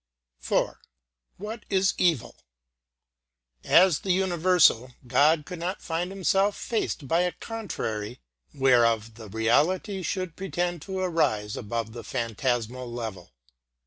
IV. What is Evil? As the universal, God could not find Himself faced by a contrary whereof the reality should pretend to rise above the phantasmal level.